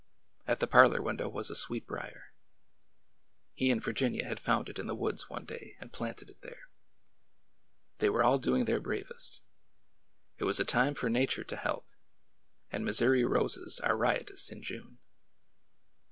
At the parlor window was a sweet brier. He and Virginia had found it in the woods one day and planted it there. They were all doing their bravest. It was a time for Nature to help— and Mis souri roses are riotous in June.